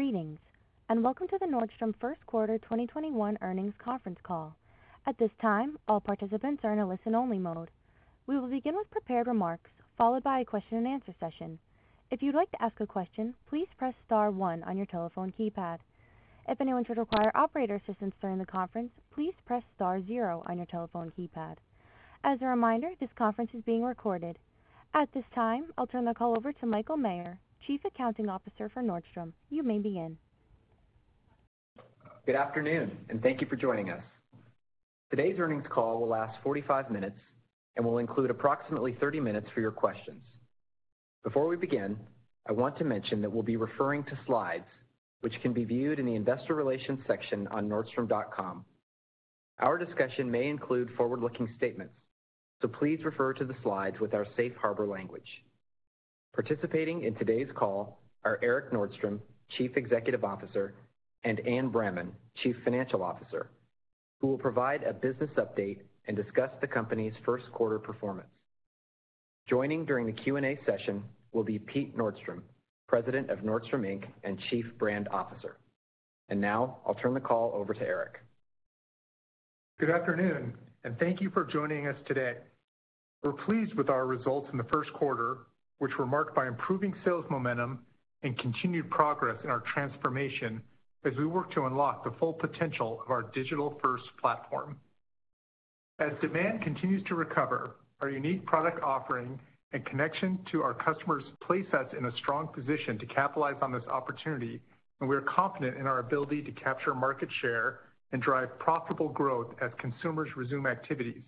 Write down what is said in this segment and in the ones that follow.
Greetings, and welcome to the Nordstrom first quarter 2021 earnings conference call. At this time, all participants are on a listen-only mode. We will begin once prepared remarks followed by question and answer session. If you would like to ask a question, please press star one on your telephone keypad. If anyone should require operator assistance during the conference, please press star zero on your telephone keypad. As a remainder this conferencs is being recorded. At this time, I'll turn the call over to Michael Maher, Chief Accounting Officer for Nordstrom. You may begin. Good afternoon, and thank you for joining us. Today's earnings call will last 45 minutes and will include approximately 30 minutes for your questions. Before we begin, I want to mention that we'll be referring to slides, which can be viewed in the investor relations section on nordstrom.com. Our discussion may include forward-looking statements. Please refer to the slides with our safe harbor language. Participating in today's call are Erik Nordstrom, Chief Executive Officer, and Anne Bramman, Chief Financial Officer, who will provide a business update and discuss the company's first quarter performance. Joining during the Q&A session will be Pete Nordstrom, President of Nordstrom, Inc., and Chief Brand Officer. Now I'll turn the call over to Erik. Good afternoon, and thank you for joining us today. We're pleased with our results in the first quarter, which were marked by improving sales momentum and continued progress in our transformation as we work to unlock the full potential of our digital-first platform. As demand continues to recover, our unique product offering and connection to our customers place us in a strong position to capitalize on this opportunity, and we are confident in our ability to capture market share and drive profitable growth as consumers resume activities,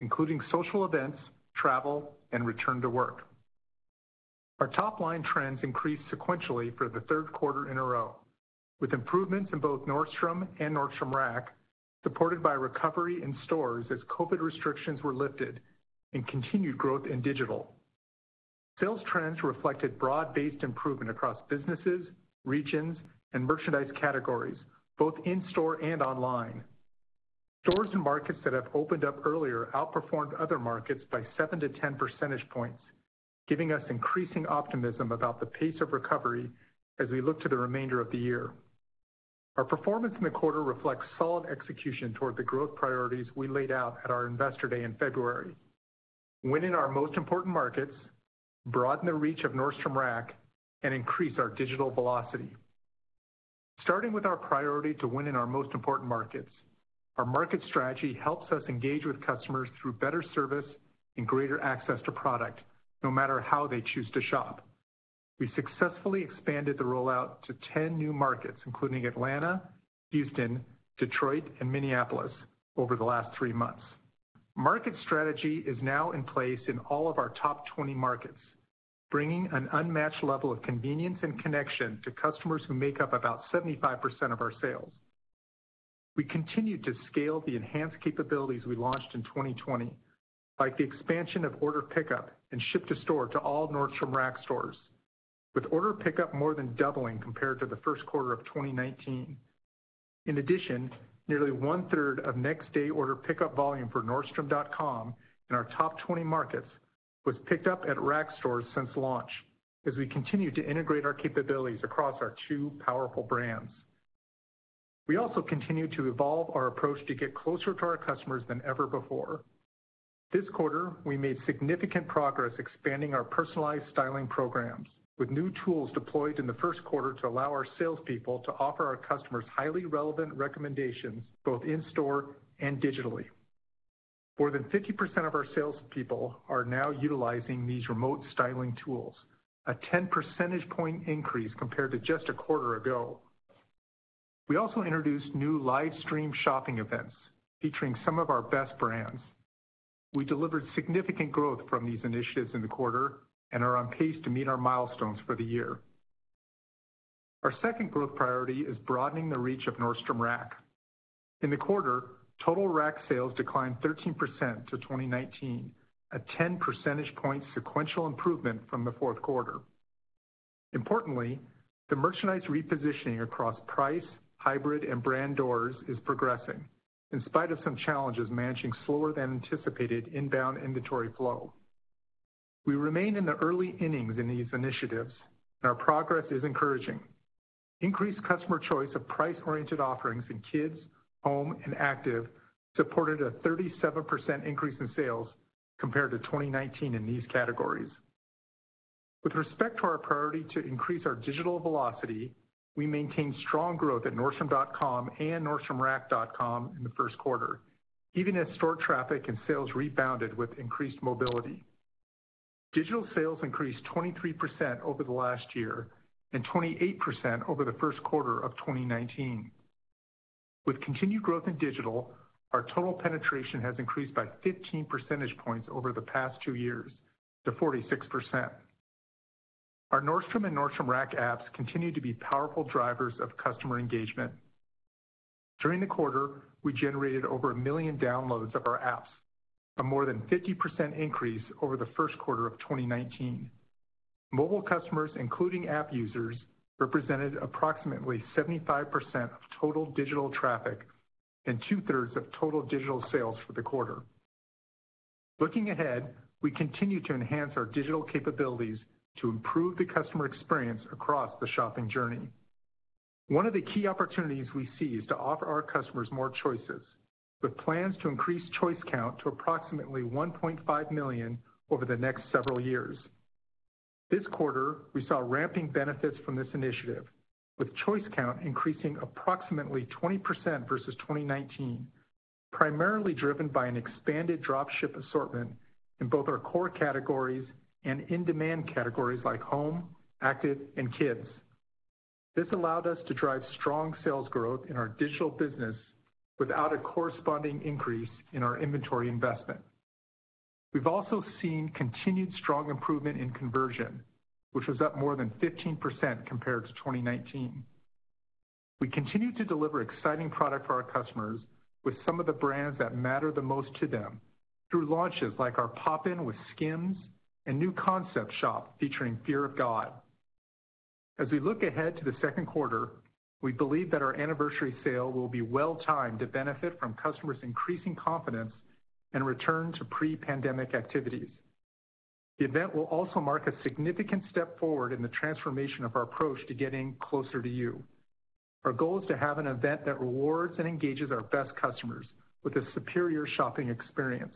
including social events, travel, and return to work. Our top-line trends increased sequentially for the third quarter in a row, with improvements in both Nordstrom and Nordstrom Rack, supported by recovery in stores as COVID restrictions were lifted and continued growth in digital. Sales trends reflected broad-based improvement across businesses, regions, and merchandise categories, both in-store and online. Stores and markets that have opened up earlier outperformed other markets by 7-10 percentage points, giving us increasing optimism about the pace of recovery as we look to the remainder of the year. Our performance in the quarter reflects solid execution toward the growth priorities we laid out at our Investor Day in February. Win in our most important markets, broaden the reach of Nordstrom Rack, and increase our digital velocity. Starting with our priority to win in our most important markets, our market strategy helps us engage with customers through better service and greater access to product, no matter how they choose to shop. We successfully expanded the rollout to 10 new markets, including Atlanta, Houston, Detroit, and Minneapolis over the last three months. Market strategy is now in place in all of our top 20 markets, bringing an unmatched level of convenience and connection to customers who make up about 75% of our sales. We continued to scale the enhanced capabilities we launched in 2020, like the expansion of order pickup and ship-to-store to all Nordstrom Rack stores, with order pickup more than doubling compared to the first quarter of 2019. In addition, nearly one-third of next-day order pickup volume for Nordstrom.com in our top 20 markets was picked up at Rack stores since launch, as we continue to integrate our capabilities across our two powerful brands. We also continued to evolve our approach to get closer to our customers than ever before. This quarter, we made significant progress expanding our personalized styling programs with new tools deployed in the first quarter to allow our salespeople to offer our customers highly relevant recommendations both in-store and digitally. More than 50% of our salespeople are now utilizing these remote styling tools, a 10-percentage-point increase compared to just a quarter ago. We also introduced new live stream shopping events featuring some of our best brands. We delivered significant growth from these initiatives in the quarter and are on pace to meet our milestones for the year. Our second growth priority is broadening the reach of Nordstrom Rack. In the quarter, total Rack sales declined 13% to 2019, a 10-percentage-point sequential improvement from the fourth quarter. Importantly, the merchandise repositioning across price, hybrid, and brand doors is progressing, in spite of some challenges managing slower-than-anticipated inbound inventory flow. We remain in the early innings in these initiatives, and our progress is encouraging. Increased customer choice of price-oriented offerings in kids, home, and active supported a 37% increase in sales compared to 2019 in these categories. With respect to our priority to increase our digital velocity, we maintained strong growth at Nordstrom.com and NordstromRack.com in the first quarter, even as store traffic and sales rebounded with increased mobility. Digital sales increased 23% over the last year and 28% over the first quarter of 2019. With continued growth in digital, our total penetration has increased by 15 percentage points over the past two years to 46%. Our Nordstrom and Nordstrom Rack apps continue to be powerful drivers of customer engagement. During the quarter, we generated over one million downloads of our apps, a more than 50% increase over the first quarter of 2019. Mobile customers, including app users, represented approximately 75% of total digital traffic and 2/3 of total digital sales for the quarter. Looking ahead, we continue to enhance our digital capabilities to improve the customer experience across the shopping journey. One of the key opportunities we see is to offer our customers more choices, with plans to increase choice count to approximately 1.5 million over the next several years. This quarter, we saw ramping benefits from this initiative, with choice count increasing approximately 20% versus 2019, primarily driven by an expanded drop ship assortment in both our core categories and in-demand categories like home, active, and kids. This allowed us to drive strong sales growth in our digital business without a corresponding increase in our inventory investment. We've also seen continued strong improvement in conversion, which was up more than 15% compared to 2019. We continue to deliver exciting product for our customers with some of the brands that matter the most to them through launches like our Pop-In@Nordstrom with SKIMS and new concept shops featuring Fear of God. As we look ahead to the second quarter, we believe that our Anniversary Sale will be well-timed to benefit from customers' increasing confidence and return to pre-pandemic activities. The event will also mark a significant step forward in the transformation of our approach to getting closer to you. Our goal is to have an event that rewards and engages our best customers with a superior shopping experience.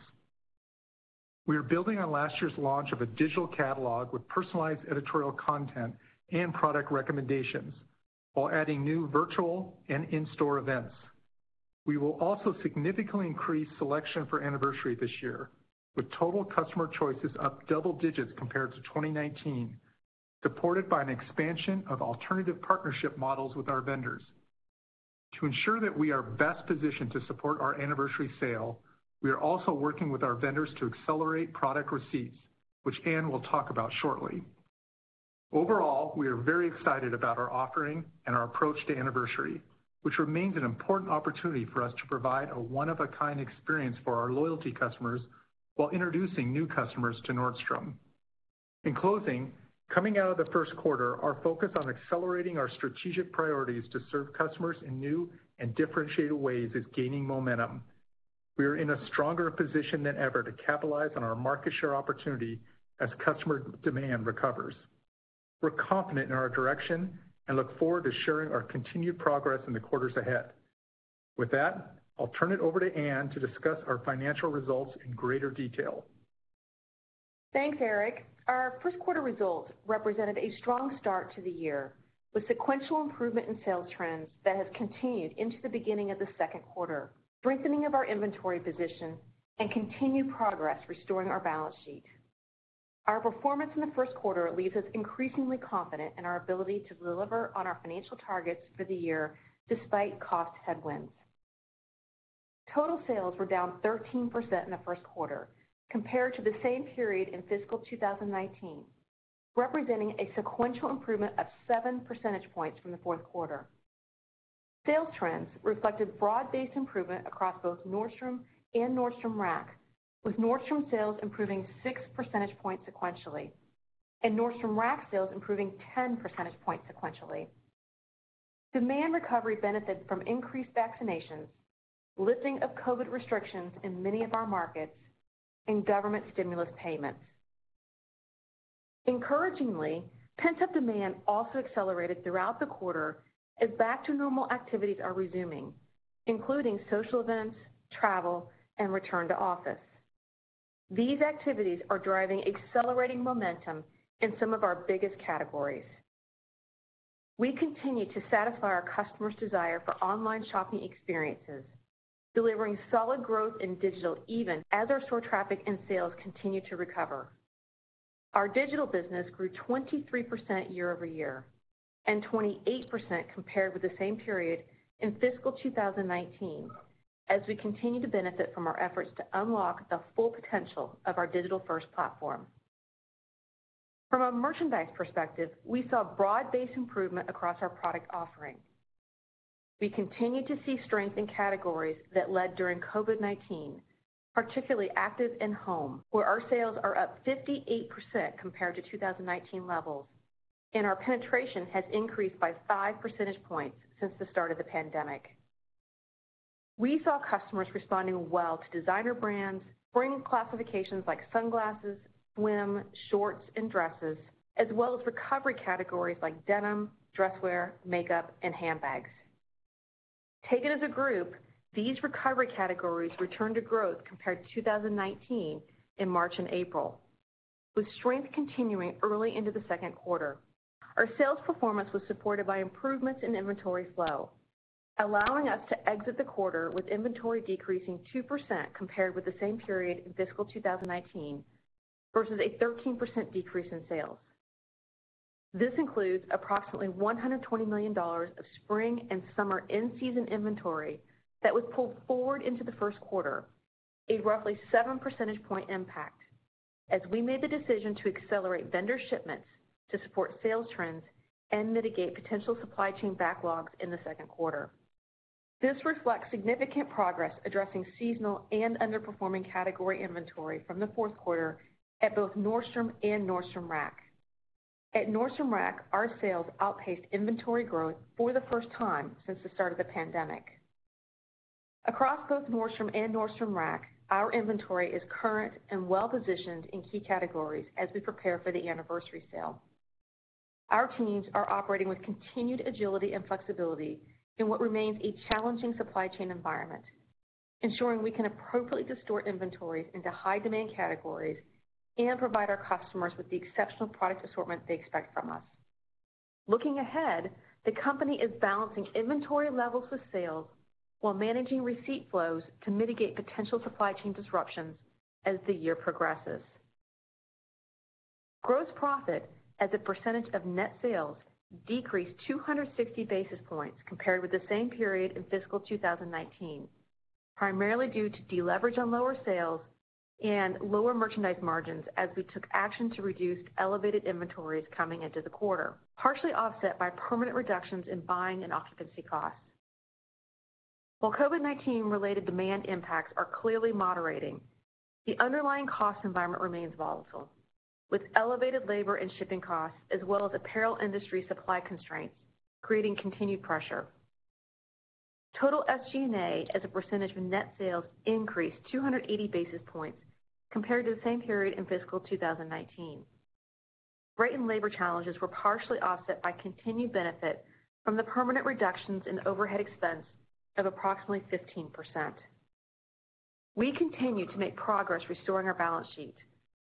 We are building on last year's launch of a digital catalog with personalized editorial content and product recommendations while adding new virtual and in-store events. We will also significantly increase selection for Anniversary Sale this year with total customer choices up double digits compared to 2019, supported by an expansion of alternative partnership models with our vendors. To ensure that we are best positioned to support our Anniversary Sale, we are also working with our vendors to accelerate product receipts, which Anne will talk about shortly. Overall, we are very excited about our offering and our approach to Anniversary Sale, which remains an important opportunity for us to provide a one-of-a-kind experience for our loyalty customers while introducing new customers to Nordstrom. In closing, coming out of the first quarter, our focus on accelerating our strategic priorities to serve customers in new and differentiated ways is gaining momentum. We are in a stronger position than ever to capitalize on our market share opportunity as customer demand recovers. We're confident in our direction and look forward to sharing our continued progress in the quarters ahead. With that, I'll turn it over to Anne to discuss our financial results in greater detail. Thanks, Erik. Our first quarter results represented a strong start to the year with sequential improvement in sales trends that have continued into the beginning of the second quarter, strengthening of our inventory position, and continued progress restoring our balance sheet. Our performance in the first quarter leaves us increasingly confident in our ability to deliver on our financial targets for the year, despite cost headwinds. Total sales were down 13% in the first quarter compared to the same period in fiscal 2019, representing a sequential improvement of 7 percentage points from the fourth quarter. Sales trends reflected broad-based improvement across both Nordstrom and Nordstrom Rack, with Nordstrom sales improving 6 percentage points sequentially and Nordstrom Rack sales improving 10 percentage points sequentially. Demand recovery benefited from increased vaccinations, lifting of COVID restrictions in many of our markets, and government stimulus payments. Encouragingly, pent-up demand also accelerated throughout the quarter as back-to-normal activities are resuming, including social events, travel, and return to office. These activities are driving accelerating momentum in some of our biggest categories. We continue to satisfy our customers' desire for online shopping experiences, delivering solid growth in digital even as our store traffic and sales continue to recover. Our digital business grew 23% year-over-year and 28% compared with the same period in fiscal 2019, as we continue to benefit from our efforts to unlock the full potential of our digital-first platform. From a merchandise perspective, we saw broad-based improvement across our product offerings. We continued to see strength in categories that led during COVID-19, particularly active and home, where our sales are up 58% compared to 2019 levels, and our penetration has increased by five percentage points since the start of the pandemic. We saw customers responding well to designer brands, spring classifications like sunglasses, swim, shorts, and dresses, as well as recovery categories like denim, dress wear, makeup, and handbags. Taken as a group, these recovery categories returned to growth compared to 2019 in March and April, with strength continuing early into the second quarter. Our sales performance was supported by improvements in inventory flow, allowing us to exit the quarter with inventory decreasing 2% compared with the same period in fiscal 2019 versus a 13% decrease in sales. This includes approximately $120 million of spring and summer in-season inventory that was pulled forward into the first quarter, a roughly seven percentage point impact as we made the decision to accelerate vendor shipments to support sales trends and mitigate potential supply chain backlogs in the second quarter. This reflects significant progress addressing seasonal and underperforming category inventory from the fourth quarter at both Nordstrom and Nordstrom Rack. At Nordstrom Rack, our sales outpaced inventory growth for the first time since the start of the pandemic. Across both Nordstrom and Nordstrom Rack, our inventory is current and well-positioned in key categories as we prepare for the Anniversary Sale. Our teams are operating with continued agility and flexibility in what remains a challenging supply chain environment, ensuring we can appropriately distort inventories into high-demand categories and provide our customers with the exceptional price assortment they expect from us. Looking ahead, the company is balancing inventory levels with sales while managing receipt flows to mitigate potential supply chain disruptions as the year progresses. Gross profit as a percentage of net sales decreased 260 basis points compared with the same period in fiscal 2019, primarily due to deleverage on lower sales and lower merchandise margins as we took action to reduce elevated inventories coming into the quarter, partially offset by permanent reductions in buying and occupancy costs. While COVID-19-related demand impacts are clearly moderating, the underlying cost environment remains volatile, with elevated labor and shipping costs, as well as apparel industry supply constraints, creating continued pressure. Total SG&A as a percentage of net sales increased 280 basis points compared to the same period in fiscal 2019. Freight and labor challenges were partially offset by continued benefit from the permanent reductions in overhead expense of approximately 15%. We continue to make progress restoring our balance sheet,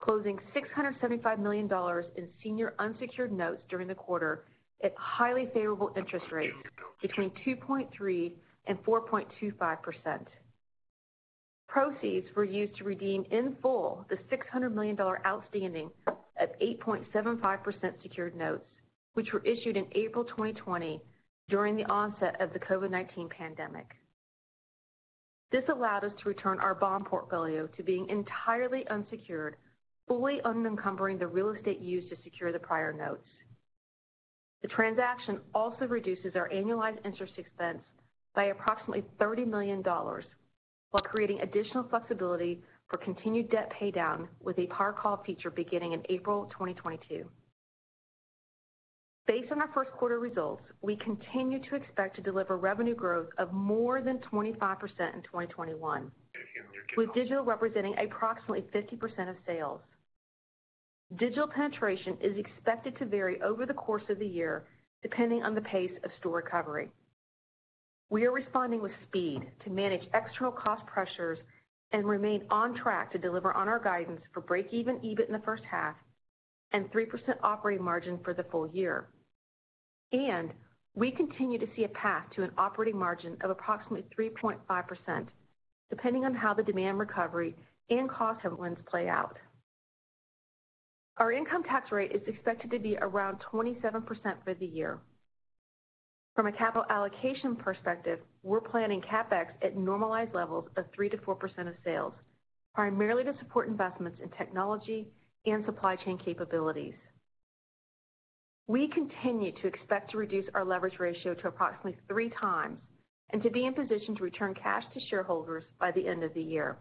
closing $675 million in senior unsecured notes during the quarter at highly favorable interest rates between 2.3% and 4.25%. Proceeds were used to redeem in full the $600 million outstanding of 8.75% secured notes, which were issued in April 2020 during the onset of the COVID-19 pandemic. This allowed us to return our bond portfolio to being entirely unsecured, fully unencumbering the real estate used to secure the prior notes. The transaction also reduces our annualized interest expense by approximately $30 million while creating additional flexibility for continued debt paydown with a par call feature beginning in April 2022. Based on our first quarter results, we continue to expect to deliver revenue growth of more than 25% in 2021, with digital representing approximately 50% of sales. Digital penetration is expected to vary over the course of the year, depending on the pace of store recovery. We are responding with speed to manage external cost pressures and remain on track to deliver on our guidance for breakeven EBIT in the first half and 3% operating margin for the full year. We continue to see a path to an operating margin of approximately 3.5%, depending on how the demand recovery and cost headwinds play out. Our income tax rate is expected to be around 27% for the year. From a capital allocation perspective, we're planning CapEx at normalized levels of 3%-4% of sales, primarily to support investments in technology and supply chain capabilities. We continue to expect to reduce our leverage ratio to approximately 3x and to be in position to return cash to shareholders by the end of the year.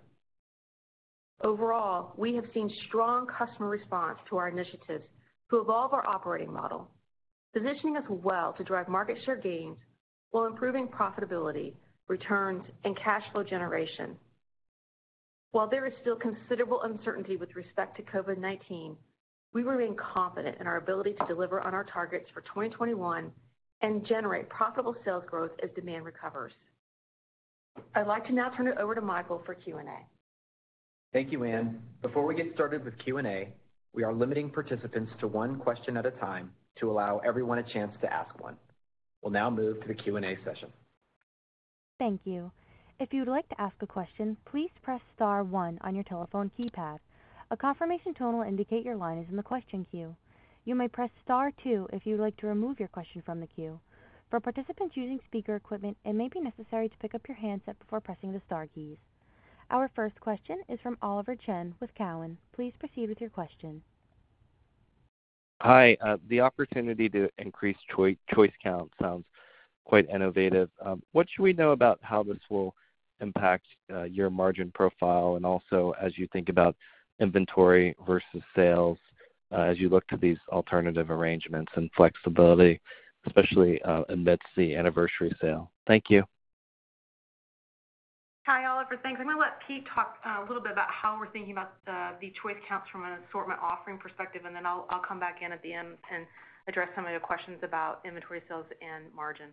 Overall, we have seen strong customer response to our initiatives to evolve our operating model, positioning us well to drive market share gains while improving profitability, returns, and cash flow generation. While there is still considerable uncertainty with respect to COVID-19, we remain confident in our ability to deliver on our targets for 2021 and generate profitable sales growth as demand recovers. I'd like to now turn it over to Michael for Q&A. Thank you, Anne. Before we get started with Q&A, we are limiting participants to one question at a time to allow everyone a chance to ask one. We will now move to the Q&A session. Thank you. If you like to ask question press star one on your telephone keypad. A confirmation shows on the indicator line is on the question queue. You may press star two if you like to remove your question from the queue. Our first question is from Oliver Chen with Cowen. Please proceed with your question. Hi. The opportunity to increase choice count sounds quite innovative. What should we know about how this will impact your margin profile and also as you think about inventory versus sales as you look to these alternative arrangements and flexibility, especially amidst the Anniversary Sale? Thank you. Hi, Oliver. Thanks. I'm going to let Pete talk a little bit about how we're thinking about the choice counts from an assortment offering perspective, and then I'll come back in at the end and address some of your questions about inventory sales and margin.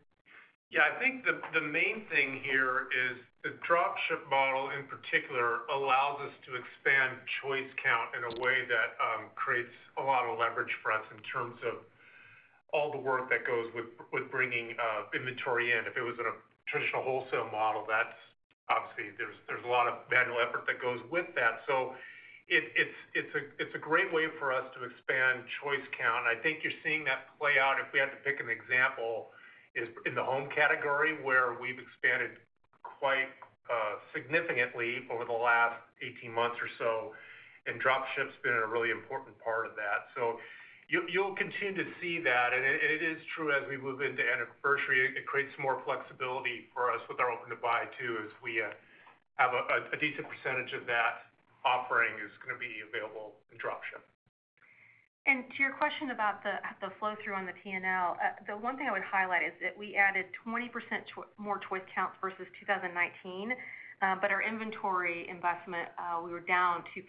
Yeah, I think the main thing here is the drop ship model in particular allows us to expand choice count in a way that creates a lot of leverage for us in terms of all the work that goes with bringing inventory in. If it was a traditional wholesale model, obviously, there's a lot of manual effort that goes with that. It's a great way for us to expand choice count. I think you're seeing that play out, if we have to pick an example, is in the home category where we've expanded quite significantly over the last 18 months or so, and drop ship's been a really important part of that. You'll continue to see that, and it is true as we move into Anniversary, it creates more flexibility for us with our open-to-buy, too, as we- A decent percentage of that offering is going to be available in drop ship. To your question about the flow through on the P&L, the one thing I would highlight is that we added 20% more choice count versus 2019. Our inventory investment, we were down 2%.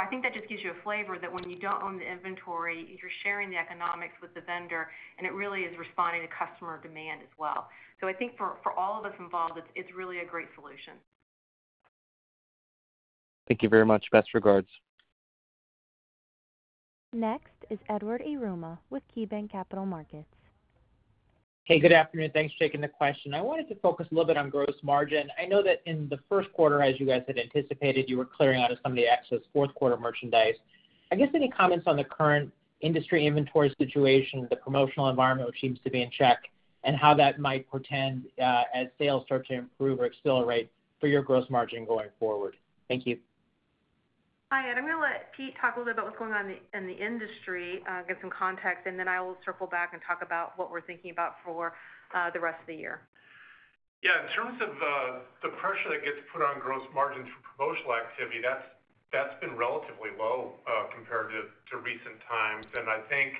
I think that just gives you a flavor that when you don't own the inventory, you're sharing the economics with the vendor, and it really is responding to customer demand as well. I think for all of us involved, it's really a great solution. Thank you very much. Best regards. Next is Edward Yruma with KeyBanc Capital Markets. Hey, good afternoon. Thanks for taking the question. I wanted to focus a little bit on gross margin. I know that in the first quarter, as you guys had anticipated, you were clearing out some of the excess fourth quarter merchandise. I guess any comments on the current industry inventory situation, the promotional environment seems to be in check, and how that might portend as sales start to improve or accelerate for your gross margin going forward? Thank you. Hi, I'm going to let Pete talk a little about what's going on in the industry, get some context, and then I will circle back and talk about what we're thinking about for the rest of the year. Yeah. In terms of the pressure that gets put on gross margins for promotional activity, that's been relatively low compared to recent times, and I think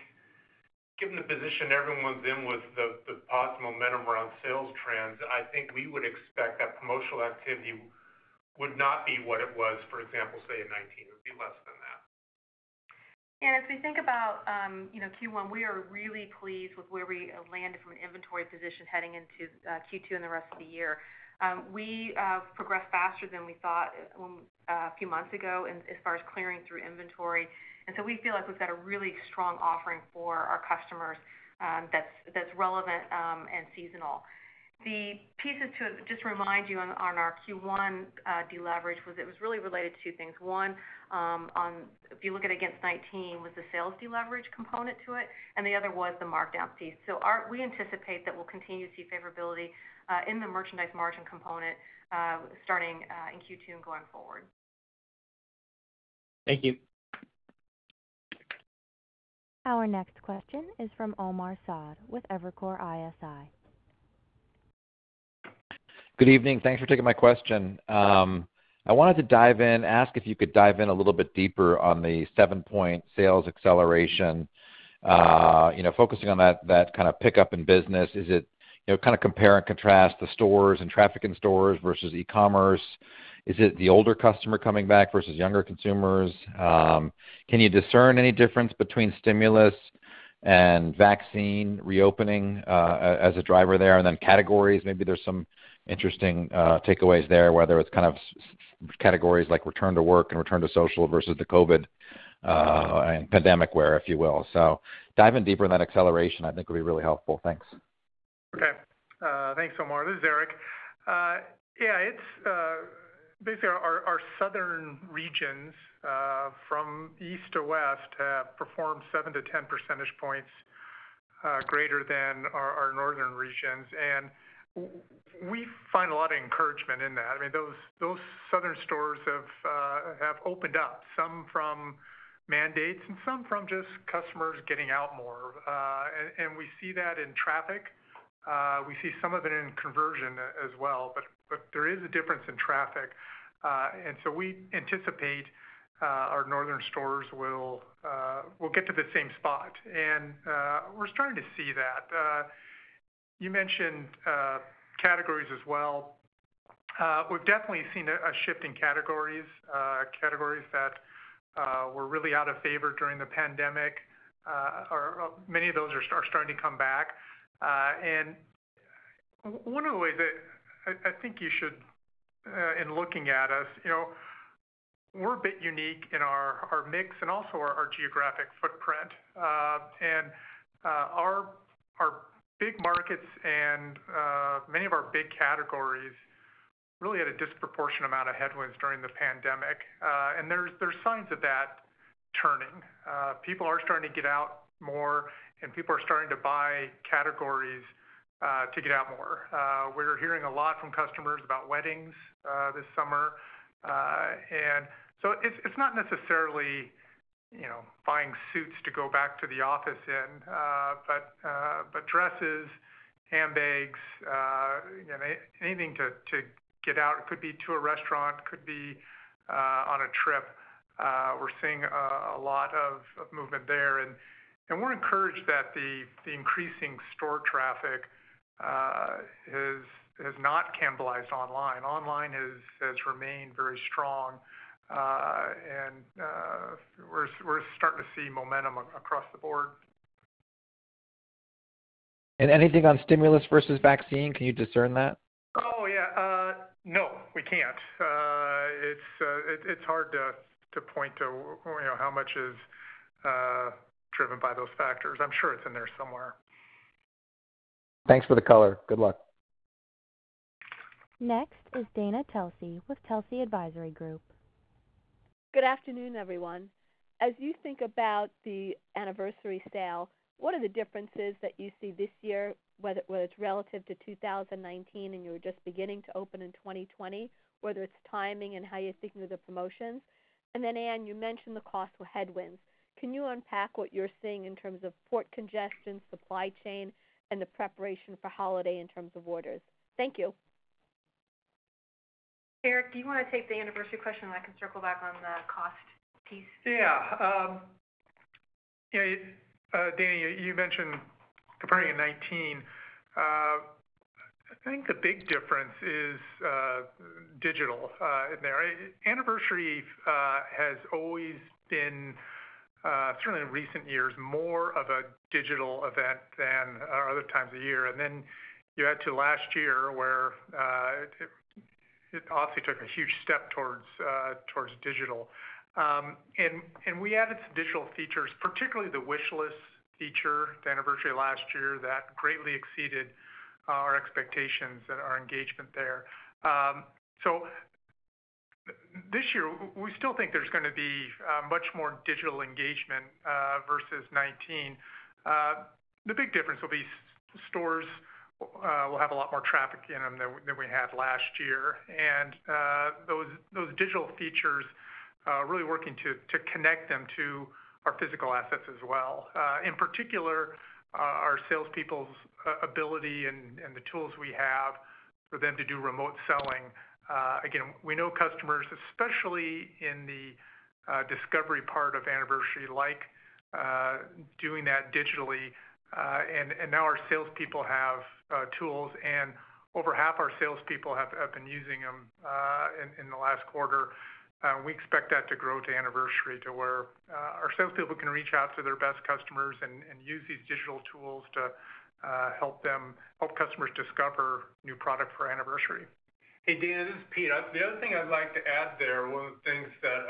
given the position everyone's in with the positive momentum around sales trends, I think we would expect that promotional activity would not be what it was, for example, say in 2019. It would be less than that. Yeah. If we think about Q1, we are really pleased with where we landed from an inventory position heading into Q2 and the rest of the year. We progressed faster than we thought a few months ago as far as clearing through inventory, we feel like we've got a really strong offering for our customers that's relevant and seasonal. The pieces, just to remind you on our Q1 deleverage, was it was really related to two things. One, if you look at against '19, was the sales deleverage component to it, the other was the markdown piece. We anticipate that we'll continue to see favorability in the merchandise margin component starting in Q2 going forward. Thank you. Our next question is from Omar Saad with Evercore ISI. Good evening. Thanks for taking my question. I wanted to ask if you could dive in a little bit deeper on the 7-point sales acceleration, focusing on that pickup in business. Is it compare and contrast the stores and traffic in stores versus e-commerce? Is it the older customer coming back versus younger consumers? Can you discern any difference between stimulus and vaccine reopening as a driver there? Categories, maybe there's some interesting takeaways there, whether it's categories like return to work and return to social versus the COVID-19 and pandemic wear, if you will. Dive in deeper on that acceleration, I think would be really helpful. Thanks. Thanks, Omar. This is Erik. Our southern regions from east to west have performed 7-10 percentage points greater than our northern regions, and we find a lot of encouragement in that. Those southern stores have opened up, some from mandates and some from just customers getting out more. We see that in traffic. We see some of it in conversion as well, there is a difference in traffic. We anticipate our northern stores will get to the same spot, and we're starting to see that. You mentioned categories as well. We've definitely seen a shift in categories. Categories that were really out of favor during the pandemic, many of those are starting to come back. One of the ways that I think you should, in looking at us, we're a bit unique in our mix and also our geographic footprint. Our big markets and many of our big categories really had a disproportionate amount of headwinds during the pandemic. There's signs of that turning. People are starting to get out more, and people are starting to buy categories to get out more. We're hearing a lot from customers about weddings this summer. It's not necessarily buying suits to go back to the office in, but dresses, handbags, anything to get out. It could be to a restaurant, could be on a trip. We're seeing a lot of movement there, and we're encouraged that the increasing store traffic has not cannibalized online. Online has remained very strong, and we're starting to see momentum across the board. Anything on stimulus versus vaccine? Can you discern that? Yeah. No, we can't. It's hard to point to how much is driven by those factors. I'm sure it's in there somewhere. Thanks for the color. Good luck. Next is Dana Telsey with Telsey Advisory Group. Good afternoon, everyone. As you think about the Anniversary Sale, what are the differences that you see this year relative to 2019, and you were just beginning to open in 2020, whether it's timing and how you're thinking of the promotions? Anne, you mentioned the cost of headwinds. Can you unpack what you're seeing in terms of port congestion, supply chain, and the preparation for holiday in terms of orders? Thank you. Erik, do you want to take the Anniversary question, and I can circle back on the cost piece? Yeah. Dana, you mentioned comparing to 2019. I think the big difference is digital there. Anniversary Sale has always been, certainly in recent years, more of a digital event than other times of year. You add to last year, where it obviously took a huge step towards digital. We added some digital features, particularly the wishlist feature to Anniversary Sale last year that greatly exceeded our expectations and our engagement there. This year, we still think there's going to be much more digital engagement versus 2019. The big difference will be stores will have a lot more traffic in them than we had last year. Those digital features really working to connect them to our physical assets as well, in particular, our salespeople's ability and the tools we have for them to do remote selling. Again, we know customers, especially in the discovery part of Anniversary, like doing that digitally. Now our salespeople have tools, and over half our salespeople have been using them in the last quarter. We expect that to grow to Anniversary, to where our salespeople can reach out to their best customers and use these digital tools to help customers discover new product for Anniversary. Hey, Dana, this is Pete. The other thing I'd like to add there, one of the things that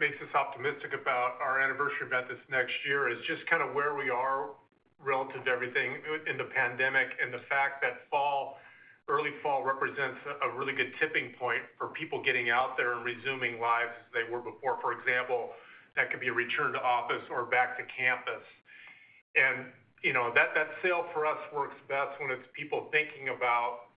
makes us optimistic about our Anniversary Sale this next year is just kind of where we are relative to everything in the pandemic, and the fact that early fall represents a really good tipping point for people getting out there and resuming lives as they were before. For example, that could be a return to office or back to campus. That sale for us works best when it's people thinking about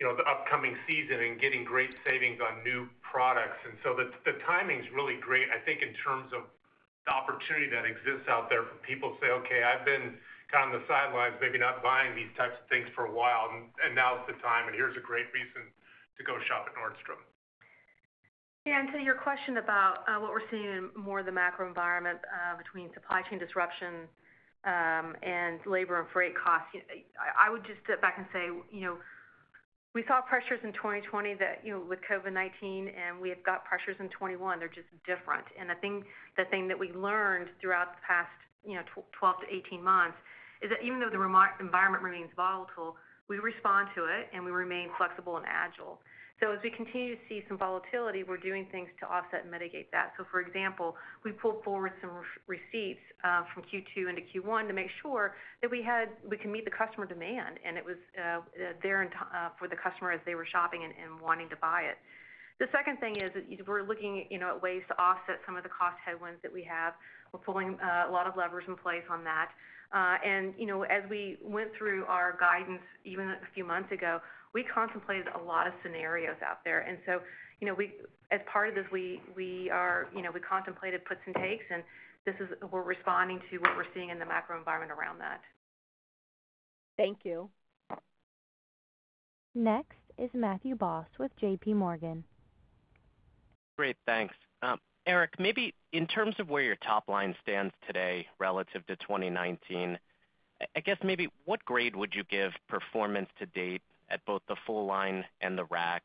the upcoming season and getting great savings on new products. The timing's really great, I think, in terms of the opportunity that exists out there for people to say, "Okay, I've been kind of on the sidelines, maybe not buying these types of things for a while, and now's the time, and here's a great reason to go shop at Nordstrom." To your question about what we're seeing in more of the macro environment between supply chain disruption and labor and freight costs, I would just sit back and say, we saw pressures in 2020 with COVID-19, and we've got pressures in 2021. They're just different. I think the thing that we learned throughout the past 12 to 18 months is that even though the environment remains volatile, we respond to it, and we remain flexible and agile. As we continue to see some volatility, we're doing things to offset and mitigate that. For example, we pulled forward some receipts from Q2 into Q1 to make sure that we could meet the customer demand, and it was there for the customer as they were shopping and wanting to buy it. The second thing is we're looking at ways to offset some of the cost headwinds that we have. We're pulling a lot of levers in place on that. As we went through our guidance, even a few months ago, we contemplated a lot of scenarios out there. As part of this, we contemplated puts and takes, and we're responding to what we're seeing in the macro environment around that. Thank you. Next is Matthew Boss with JPMorgan. Great, thanks. Erik, maybe in terms of where your top line stands today relative to 2019, I guess maybe what grade would you give performance to date at both the full line and the Rack?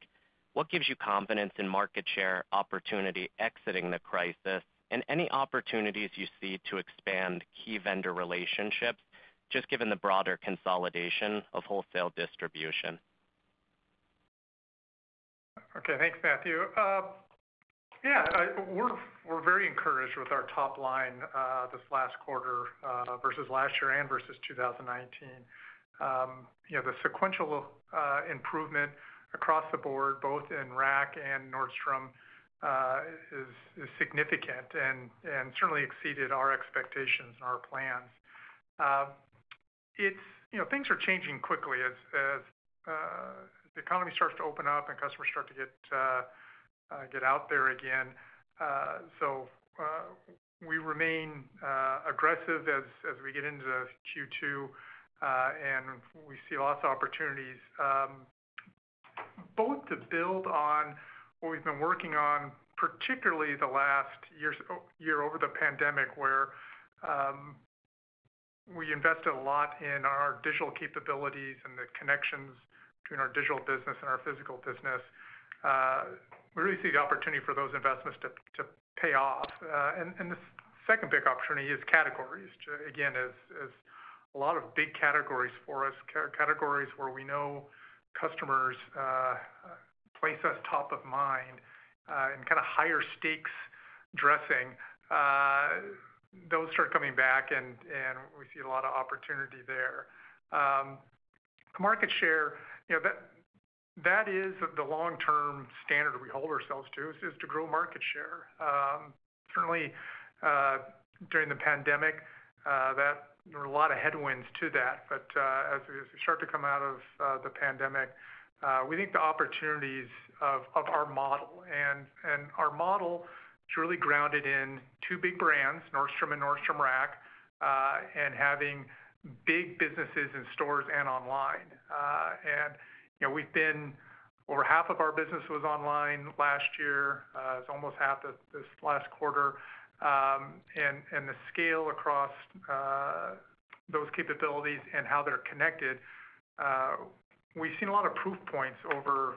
What gives you confidence in market share opportunity exiting the crisis? Any opportunities you see to expand key vendor relationships, just given the broader consolidation of wholesale distribution? Okay, thanks, Matthew. We're very encouraged with our top line this last quarter versus last year and versus 2019. The sequential improvement across the board, both in Rack and Nordstrom, is significant and certainly exceeded our expectations and our plans. Things are changing quickly as the economy starts to open up and customers start to get out there again. We remain aggressive as we get into Q2, and we see lots of opportunities. Both to build on what we've been working on, particularly the last year over the pandemic, where we invested a lot in our digital capabilities and the connections between our digital business and our physical business. We really see the opportunity for those investments to pay off. The second big opportunity is categories, again, as a lot of big categories for us. Categories where we know customers place us top of mind in kind of higher stakes dressing. Those are coming back, and we see a lot of opportunity there. Market share, that is the long-term standard we hold ourselves to, is just to grow market share. Certainly, during the pandemic, there were a lot of headwinds to that. As we start to come out of the pandemic, we think the opportunities of our model, and our model is really grounded in two big brands, Nordstrom and Nordstrom Rack, and having big businesses in stores and online. Over half of our business was online last year. It was almost half this last quarter. The scale across those capabilities and how they're connected, we've seen a lot of proof points over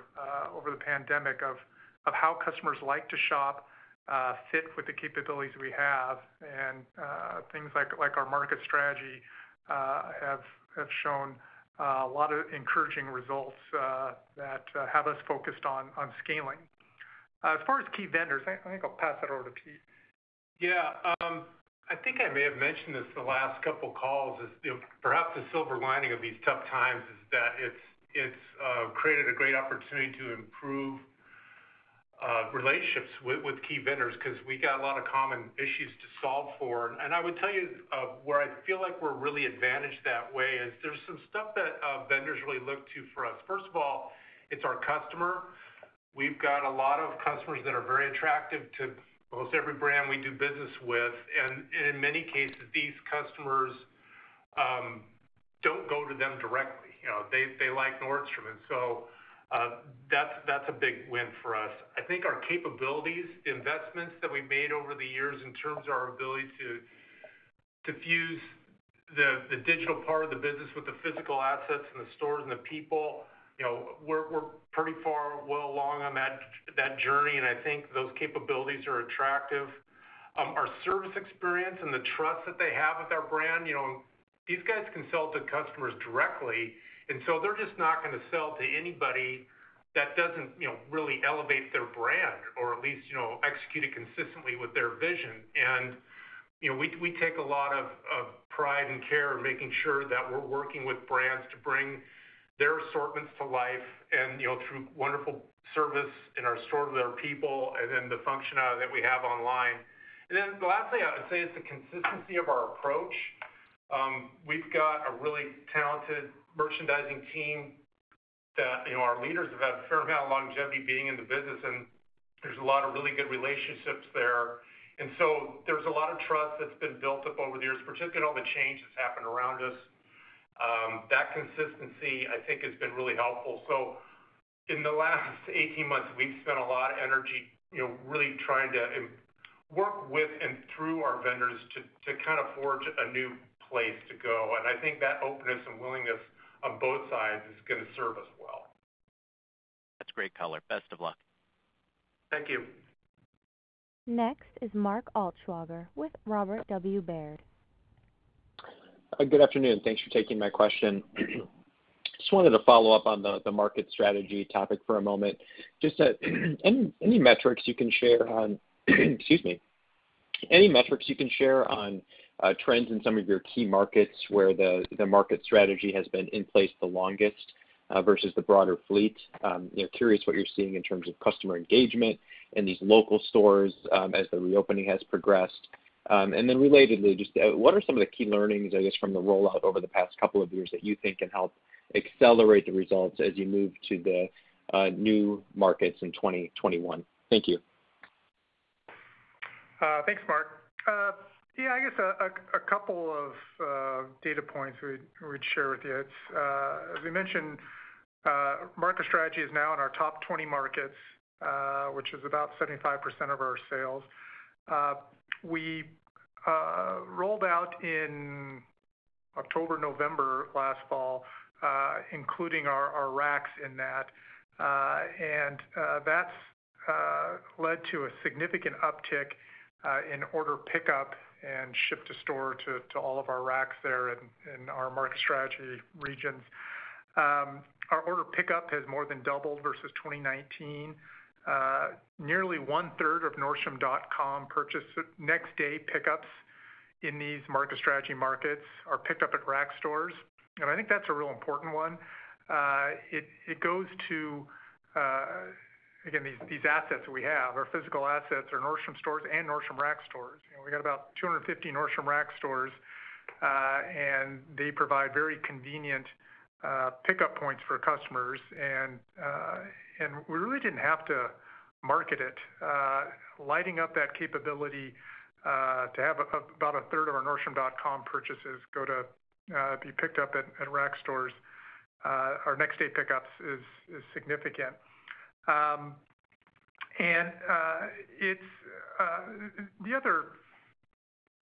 the pandemic of how customers like to shop, fit with the capabilities we have, and things like our market strategy have shown a lot of encouraging results that have us focused on scaling. As far as key vendors, I think I'll pass that over to Pete. Yeah. I think I may have mentioned this the last couple of calls is perhaps the silver lining of these tough times is that it's created a great opportunity to improve relationships with key vendors because we've got a lot of common issues to solve for. I would tell you where I feel like we're really advantaged that way is there's some stuff that vendors really look to for us. First of all, it's our customer. We've got a lot of customers that are very attractive to almost every brand we do business with, and in many cases, these customers don't go to them directly. They like Nordstrom. So that's a big win for us. I think our capabilities, investments that we've made over the years in terms of our ability to fuse the digital part of the business with the physical assets in the stores and the people, we're pretty far well along on that journey. I think those capabilities are attractive. Our service experience and the trust that they have with our brand, these guys can sell to customers directly. They're just not going to sell to anybody that doesn't really elevate their brand or at least execute it consistently with their vision. We take a lot of pride and care in making sure that we're working with brands to bring their assortments to life and through wonderful service in our stores and our people. The functionality that we have online. The last thing I would say is the consistency of our approach. We've got a really talented merchandising team that our leaders have had a fair amount of longevity being in the business, and there's a lot of really good relationships there. There's a lot of trust that's been built up over the years, particularly all the change that's happened around us. That consistency, I think, has been really helpful. In the last 18 months, we've spent a lot of energy really trying to work with and through our vendors to kind of forge a new place to go. I think that openness and willingness on both sides is going to serve us well. That's a great color. Best of luck. Thank you. Next is Mark Altschwager with Robert W. Baird. Good afternoon. Thanks for taking my question. Just wanted to follow up on the market strategy topic for a moment. Just any metrics you can share. Excuse me. Any metrics you can share on trends in some of your key markets where the market strategy has been in place the longest versus the broader fleet? Curious what you're seeing in terms of customer engagement in these Nordstrom Local stores as the reopening has progressed. Then relatedly, just what are some of the key learnings, I guess, from the rollout over the past couple of years that you think can help accelerate the results as you move to the new markets in 2021? Thank you. Thanks, Mark. Yeah, I guess a couple of data points we'd share with you. As we mentioned, market strategy is now in our top 20 markets, which is about 75% of our sales. We rolled out in October, November last fall, including our racks in that. That's led to a significant uptick in order pickup and ship-to-store to all of our racks there in our market strategy regions. Our order pickup has more than doubled versus 2019. Nearly one-third of Nordstrom.com next-day pickups in these market strategy markets are picked up at rack stores. I think that's a real important one. It goes to, again, these assets we have, our physical assets, our Nordstrom stores, and Nordstrom Rack stores. We got about 250 Nordstrom Rack stores. They provide very convenient pickup points for customers. We really didn't have to market it. Lighting up that capability to have about a third of our nordstrom.com purchases be picked up at Rack stores, our next-day pickups, is significant. The other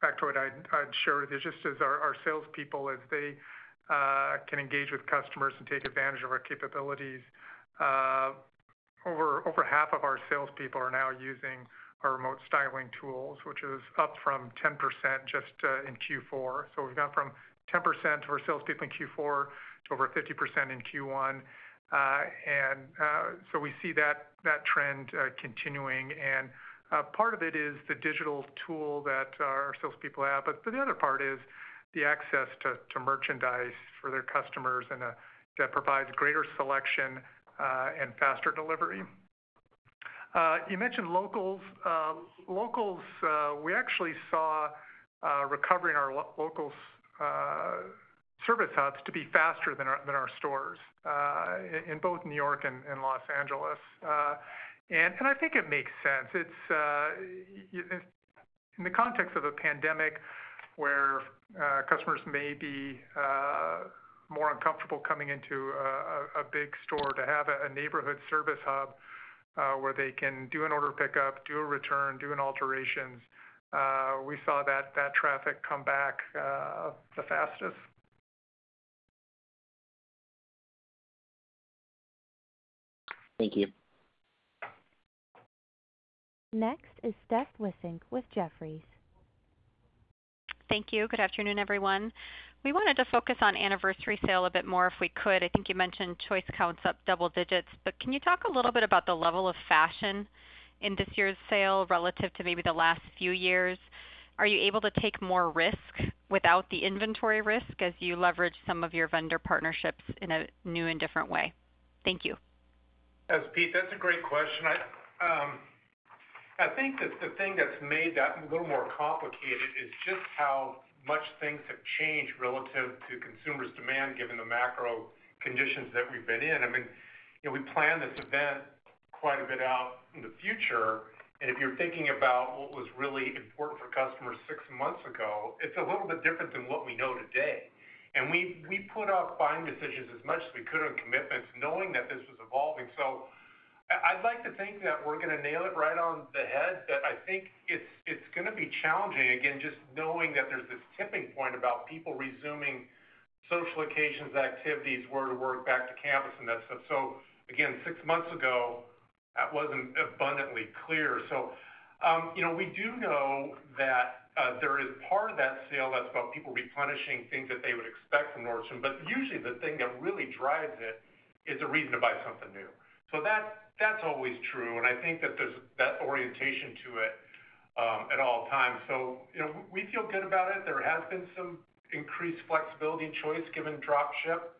factoid I'd share with you just is our salespeople, as they can engage with customers and take advantage of our capabilities, over half of our salespeople are now using our remote styling tools, which is up from 10% just in Q4. We've gone from 10% of our salespeople in Q4 to over 50% in Q1. We see that trend continuing. Part of it is the digital tool that our salespeople have, the other part is the access to merchandise for their customers. That provides greater selection and faster delivery. You mentioned Locals. Locals, we actually saw a recovery in our Locals. service hubs to be faster than our stores in both New York and Los Angeles. I think it makes sense. In the context of a pandemic where customers may be more uncomfortable coming into a big store, to have a neighborhood service hub where they can do an order pickup, do a return, do an alterations, we saw that traffic come back the fastest. Thank you. Next is Steph Wissink with Jefferies. Thank you. Good afternoon, everyone. We wanted to focus on Anniversary Sale a bit more if we could. I think you mentioned choice count up double digits, but can you talk a little bit about the level of fashion in this year's sale relative to maybe the last few years? Are you able to take more risk without the inventory risk as you leverage some of your vendor partnerships in a new and different way? Thank you. Yes, it's Pete, that's a great question. I think that the thing that's made that a little more complicated is just how much things have changed relative to consumers' demand, given the macro conditions that we've been in. We planned this event quite a bit out in the future, and if you're thinking about what was really important for customers six months ago, it's a little bit different than what we know today. We put out buying decisions as much as we could on commitments knowing that this was evolving. I'd like to think that we're going to nail it right on the head, but I think it's going to be challenging, again, just knowing that there's this tipping point about people resuming social occasions, activities, where to work, back to campus, and that stuff. Again, six months ago, that wasn't abundantly clear. We do know that there is part of that sale that's about people replenishing things that they would expect from Nordstrom. Usually, the thing that really drives it is a reason to buy something new. That's always true, and I think that there's that orientation to it at all times. We feel good about it. There has been some increased flexibility and choice given drop ship.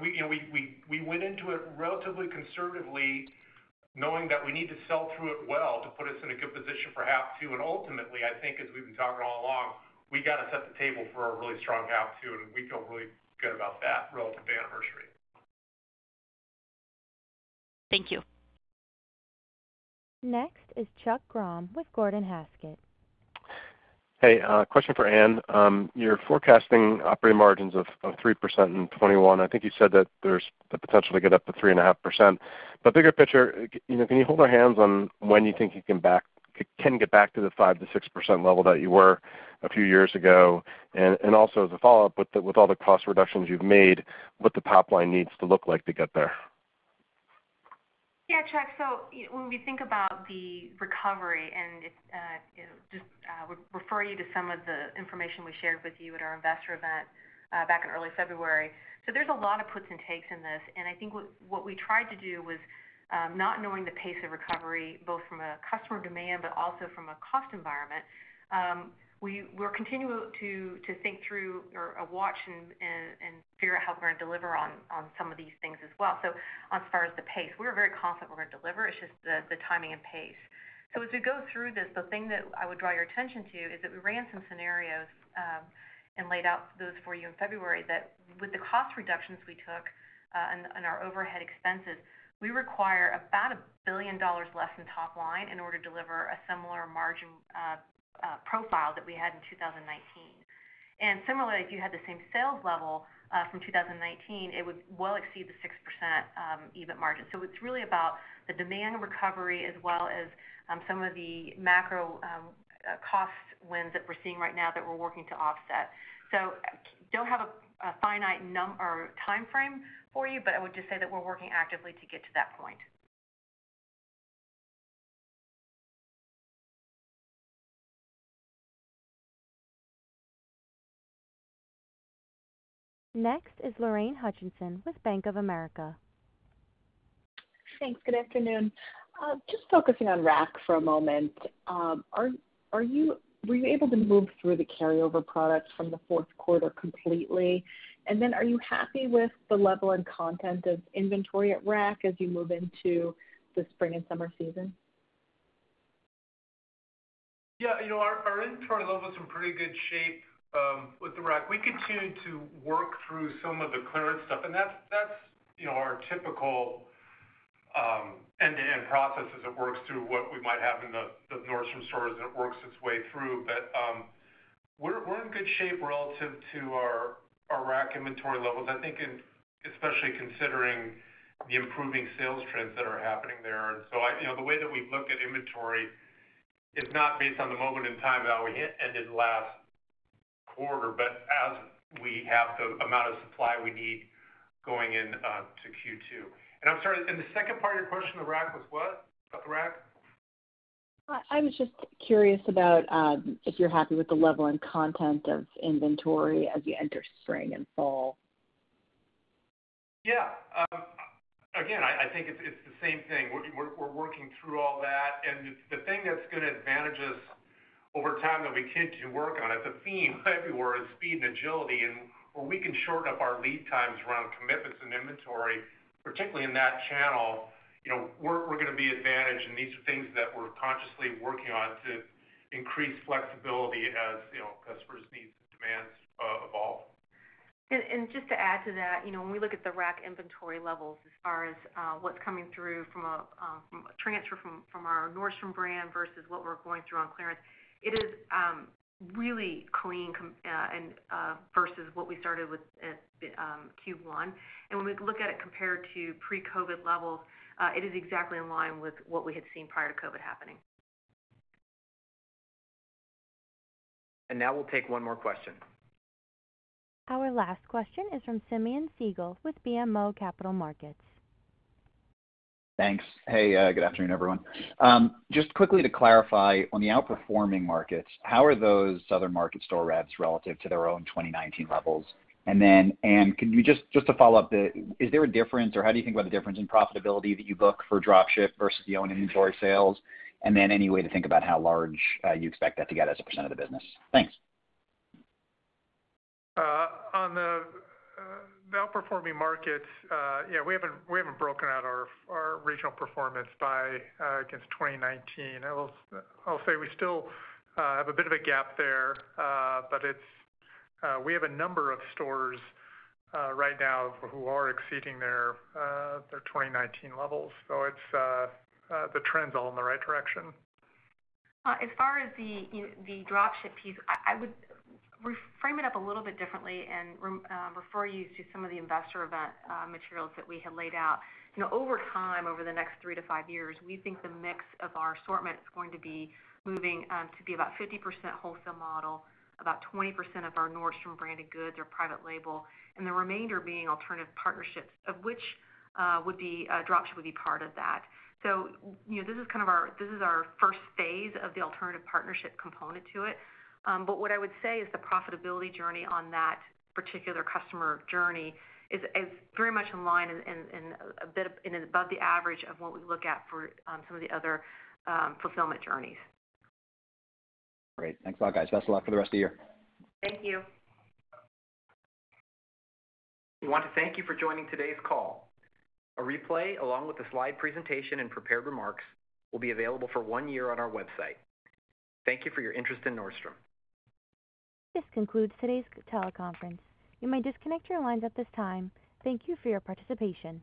We went into it relatively conservatively, knowing that we need to sell through it well to put us in a good position for H2. Ultimately, I think as we've been talking all along, we got to set the table for a really strong H2, and we feel really good about that relative to anniversary. Thank you. Next is Chuck Grom with Gordon Haskett. Hey, question for Anne. You're forecasting operating margins of 3% in 2021. I think you said that there's the potential to get up to 3.5%. Bigger picture, can you hold our hands on when you think you can get back to the 5%-6% level that you were a few years ago? Also as a follow-up, with all the cost reductions you've made, what the top line needs to look like to get there? Yeah, Chuck. When we think about the recovery, and just would refer you to some of the information we shared with you at our investor event back in early February. There's a lot of puts and takes in this. I think what we tried to do was, not knowing the pace of recovery, both from a customer demand, but also from a cost environment, we're continuing to think through or watch and figure out how to deliver on some of these things as well. On start with the pace. We're very confident we're going to deliver. It's just the timing and pace. To go through this, the thing that I would draw your attention to is that we ran some scenarios, and laid out those for you in February, that with the cost reductions we took and our overhead expenses, we require about $1 billion less in top line in order to deliver a similar margin profile that we had in 2019. Similarly, if you had the same sales level from 2019, it would well exceed the 6% EBIT margin. It's really about the demand recovery as well as some of the macro cost wins that we're seeing right now that we're working to offset. Don't have a finite number or timeframe for you, but I would just say that we're working actively to get to that point. Next is Lorraine Hutchinson with Bank of America. Thanks. Good afternoon. Just focusing on Rack for a moment. Were you able to move through the carryover products from the fourth quarter completely? Are you happy with the level and content of inventory at Rack as you move into the spring and summer season? Yeah, our inventory level is in pretty good shape with the Rack. We continue to work through some of the clearance stuff, and that's our typical end-to-end process as it works through what we might have in the Nordstrom stores, and it works its way through. We're in good shape relative to our Rack inventory levels. I think especially considering the improving sales trends that are happening there. The way that we've looked at inventory is not based on the moment in time that we ended last quarter, but as we have the amount of supply we need going into Q2. I'm sorry, and the second part of your question about Rack was what? About the Rack? I was just curious about if you're happy with the level and content of inventory as you enter spring and fall? Yeah. Again, I think it's the same thing. We're working through all that, and the thing that's going to advantage us over time that we can continue to work on, it's a theme everywhere, is speed and agility. Where we can shorten up our lead times around commitments and inventory, particularly in that channel, we're going to be advantaged. These are things that we're consciously working on to increase flexibility as customers' needs and demands evolve. Just to add to that, when we look at the Rack inventory levels as far as what's coming through from a transfer from our Nordstrom brand versus what we're going through on clearance, it is really clean versus what we started with at Q1. When we look at it compared to pre-COVID levels, it is exactly in line with what we had seen prior to COVID happening. Now we'll take one more question. Our last question is from Simeon Siegel with BMO Capital Markets. Thanks. Hey, good afternoon, everyone. Just quickly to clarify, on the outperforming markets, how are those other market store reps relative to their own 2019 levels? Anne, just to follow up, is there a difference, or how do you think about the difference in profitability that you book for drop ship versus your own inventory sales? Any way to think about how large you expect that to get as a percent of the business? Thanks. On the outperforming markets, yeah, we haven't broken out our regional performance by against 2019. I'll say we still have a bit of a gap there. We have a number of stores right now who are exceeding their 2019 levels. The trend's all in the right direction. As far as the drop ship piece, I would frame it up a little bit differently and refer you to some of the investor event materials that we have laid out. Over time, over the next three to five years, we think the mix of our assortment is going to be moving to be about 50% wholesale model, about 20% of our Nordstrom-branded goods or private label, and the remainder being alternative partnerships, of which drop ship will be part of that. This is our first phase of the alternative partnership component to it. What I would say is the profitability journey on that particular customer journey is very much in line and above the average of what we look at for some of the other fulfillment journeys. Great. Thanks a lot, guys. Best of luck for the rest of the year. Thank you. We want to thank you for joining today's call. A replay, along with the slide presentation and prepared remarks, will be available for one year on our website. Thank you for your interest in Nordstrom. This concludes today's teleconference. You may disconnect your lines at this time. Thank you for your participation.